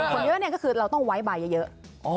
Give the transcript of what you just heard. คนเยอะเนี่ยก็คือเราต้องไว้ใบเยอะ